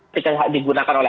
ketika digunakan oleh